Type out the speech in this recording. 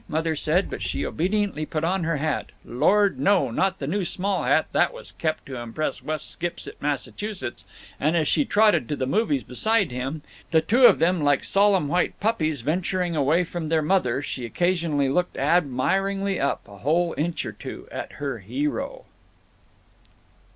Mother said, but she obediently put on her hat Lord, no, not the new small hat; that was kept to impress West Skipsit, Massachusetts and as she trotted to the movies beside him, the two of them like solemn white puppies venturing away from their mother, she occasionally looked admiringly up, a whole inch up, at her hero.